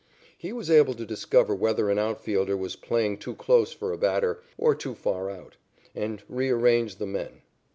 He was able to discover whether an out fielder was playing too close for a batter, or too far out, and rearrange the men.